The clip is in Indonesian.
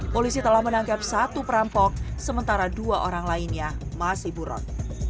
polisi telah menangkap satu perampok sementara dua orang lainnya masih buron